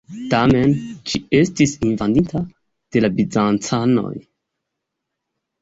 Tamen, ĝi estis invadita de la bizancanoj.